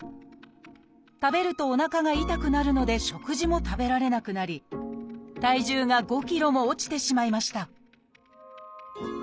食べるとおなかが痛くなるので食事も食べられなくなり体重が５ｋｇも落ちてしまいました